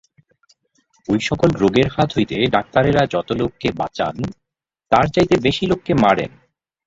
ঐ-সকল রোগের হাত হইতে ডাক্তারেরা যত লোককে বাঁচান, তার চাইতে বেশী লোককে মারেন।